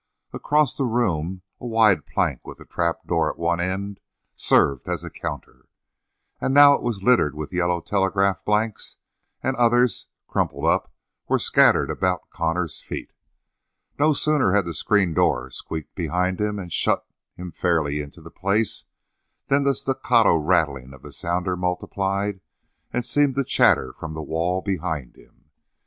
Across the room a wide plank with a trapdoor at one end served as a counter, and now it was littered with yellow telegraph blanks, and others, crumpled up, were scattered about Connor's feet. No sooner had the screen door squeaked behind him and shut him fairly into the place than the staccato rattling of the sounder multiplied, and seemed to chatter from the wall behind him.